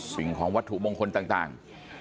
สิ่งของวัตถุมงคลต่าง